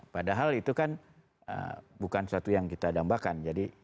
padahal itu kan bukan suatu yang kita dambakan